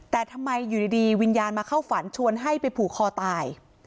แต่ทำไมอยู่ดีวิญญาณมาเข้าฝันชวนให้ไปผูกคอตาย